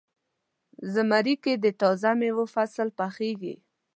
زمری کې د تازه میوو فصل پخیږي.